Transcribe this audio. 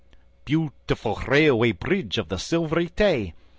Beautiful Railway Bridge of the Silvery Tay!